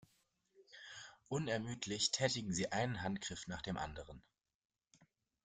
Unermüdlich tätigen sie einen Handgriff nach dem anderen.